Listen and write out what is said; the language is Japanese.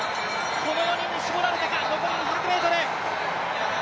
この４人に絞られたか、残り２００ｍ。